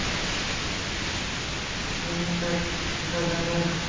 Melinda কি সেটা জানে?